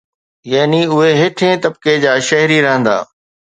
يعني اهي هيٺين طبقي جا شهري رهندا.